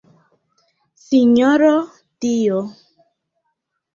Sinjoro Dio!